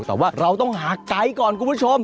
แต่ว่าเราต้องหาไกด์ก่อนคุณผู้ชม